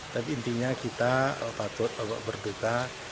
tapi intinya kita patut bapak berduka